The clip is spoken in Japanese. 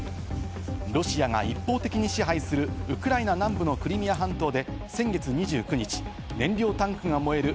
ロシアが一方的に支配するウクライナ南部のクリミア半島で先月２９日、燃料タンクが燃える